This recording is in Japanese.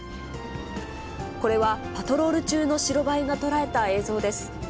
これはパトロール中の白バイが捉えた映像です。